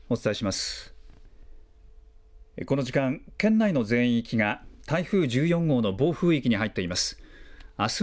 この時間、県内の全域が、台風１４号の暴風域に入っています。